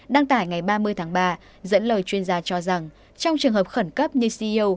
đăng tải ngày ba mươi tháng ba dẫn lời chuyên gia cho rằng trong trường hợp khẩn cấp như ceo